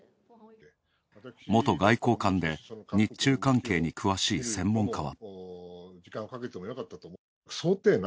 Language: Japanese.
元外交官で、日中関係に詳しい専門家は。